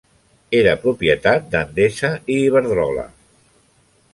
Era propietat d'Endesa i Iberdrola.